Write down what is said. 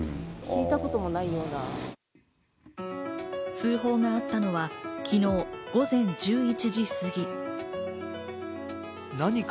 通報があったのは昨日午前１１時すぎ。